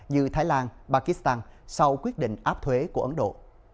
như thái lan pakistan sau quyết định áp thuế của ấn độ